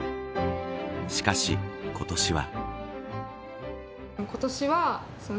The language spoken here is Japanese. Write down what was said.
しかし今年は。